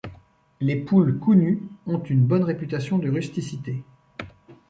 Les poules Cou nu ont une bonne réputation de rusticité.